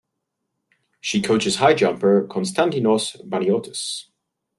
She coaches high jumper Konstadinos Baniotis.